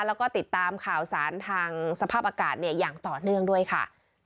แล้วก็ติดตามข่าวสารทางสภาพอากาศอย่างต่อเนื่องด้วยค่ะ